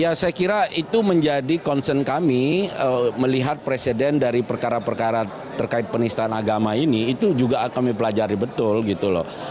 ya saya kira itu menjadi concern kami melihat presiden dari perkara perkara terkait penistaan agama ini itu juga akan kami pelajari betul gitu loh